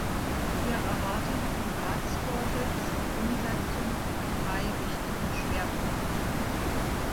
Wir erwarten vom Ratsvorsitz die Umsetzung von drei wichtigen Schwerpunkten.